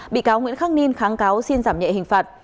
bị cáo nguyễn khắc ninh kháng cáo xin giảm nhẹ hình phạt